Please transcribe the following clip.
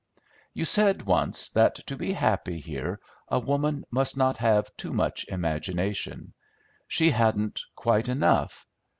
You said once that to be happy here a woman must not have too much imagination; she hadn't quite enough.